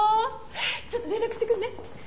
ちょっと連絡してくるね。